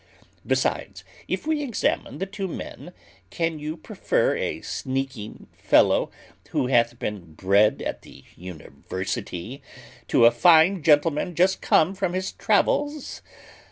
Besides, if we examine the two men, can you prefer a sneaking fellow, who hath been bred at the university, to a fine gentleman just come from his travels.